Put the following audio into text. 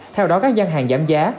theo đó các gian hàng giảm giá